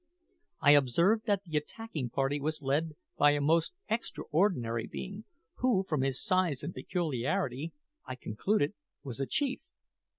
I observed that the attacking party was led by a most extraordinary being, who, from his size and peculiarity, I concluded was a chief.